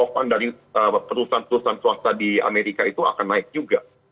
ini kan akan mendorong out of stock dari perusahaan perusahaan swasta di amerika itu akan naik juga